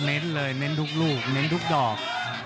เน้นเลยเน้นทุกลูกเน้นทุกดอก